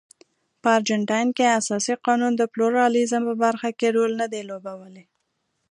په ارجنټاین کې اساسي قانون د پلورالېزم په برخه کې رول نه دی لوبولی.